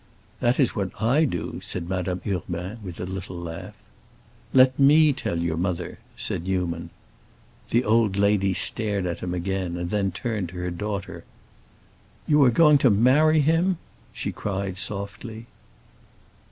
"That is what I do," said Madame Urbain, with a little laugh. "Let me tell your mother," said Newman. The old lady stared at him again, and then turned to her daughter. "You are going to marry him?" she cried, softly.